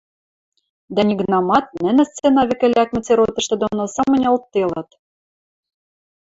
Дӓ нигынамат нӹнӹ сцена вӹкӹ лӓкмӹ церотышты доно самынялтделыт.